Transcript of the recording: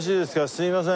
すいません。